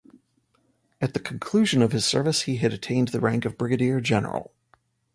At the conclusion of his service, he had attained the rank of Brigadier General.